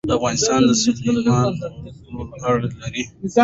افغانستان د سلیمان غر پلوه اړیکې لري.